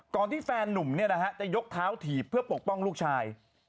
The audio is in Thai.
ก่อนที่แฟนนุ่มเนี่ยนะฮะจะยกเท้าถีบเพื่อปกป้องลูกชาย